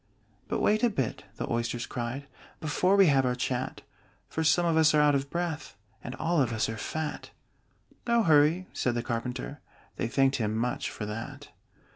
"But wait a bit," the Oysters cried, "Before we have our chat; For some of us are out of breath, And all of us are fat!" "No hurry!" said the Carpenter. They thanked him much for that.